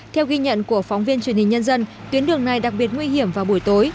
theo ghi nhận của phóng viên truyền hình nhân dân tuyến đường này đặc biệt nguy hiểm vào buổi tối